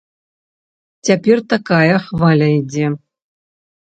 Цяпер такая хваля ідзе.